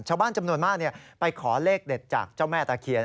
ชาวบ้านจำนวนมากไปขอเลขเด็ดจากเจ้าแม่ตะเคียน